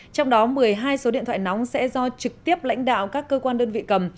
trong đó một mươi hai số điện thoại nóng sẽ do trực tiếp lãnh đạo các cơ quan đơn vị cầm